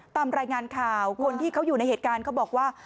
ตามรายงานข่าวคนที่เขาอยู่ในเหตุการณ์เขาบอกว่า